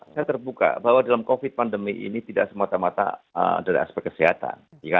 saya terbuka bahwa dalam covid pandemi ini tidak semata mata dari aspek kesehatan